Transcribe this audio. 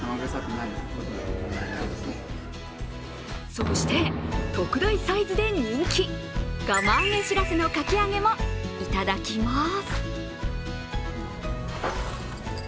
そして特大サイズで人気、釜揚げしらすのかき揚げもいただきます。